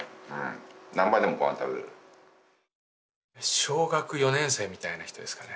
小学４年生みたいな人ですかね。